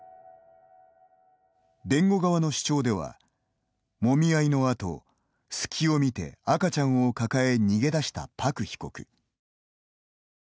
弁護側の主張ではもみ合いのあと、隙を見て赤ちゃんを抱え逃げ出した朴被告。